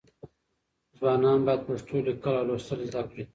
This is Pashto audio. ځوانان باید پښتو لیکل او لوستل زده کړي.